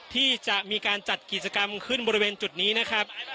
ที่จะมีการจัดกิจกรรมขึ้นบริเวณจุดนี้นะครับ